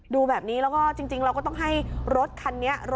ดูแบบนี้แล้วก็จริงเราก็ต้องให้รถคันนี้